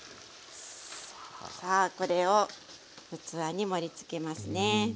さあこれを器に盛りつけますね。